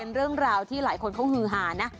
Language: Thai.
เป็นเรื่องราวที่หลายคนเขาฮือหานะ